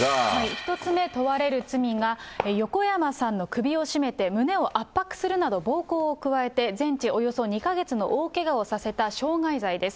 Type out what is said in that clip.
１つ目問われる罪が、横山さんの首を絞めて胸を圧迫するなど暴行を加えて、全治およそ２か月の大けがをさせた傷害罪です。